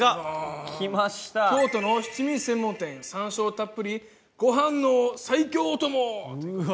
京都の七味専門店さんしょうたっぷり、ご飯の最強お供！